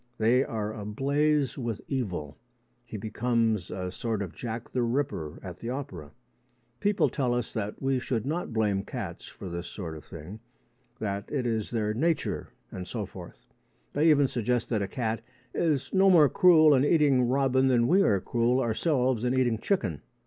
They are ablaze with evil. He becomes a sort of Jack the Ripper at the opera. People tell us that we should not blame cats for this sort of thing that it is their nature and so forth. They even suggest that a cat is no more cruel in eating robin than we are cruel ourselves in eating chicken.